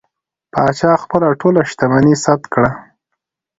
پاچا خپله ټوله شتمني ثبت کړه.